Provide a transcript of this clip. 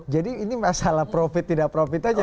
jadi ini masalah profit tidak profitable